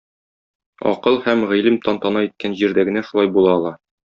Акыл һәм Гыйлем тантана иткән җирдә генә шулай була ала!